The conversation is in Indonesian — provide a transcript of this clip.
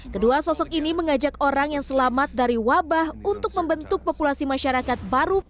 kedua sosok ini mengajak orang yang selamat dari wabah untuk membentuk populasi masyarakat baru